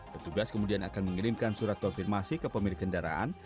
petugas kemudian akan mengirimkan surat konfirmasi ke pemilik kendaraan